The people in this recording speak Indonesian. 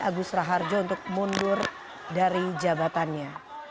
agus raharjo untuk mundur dari jabatannya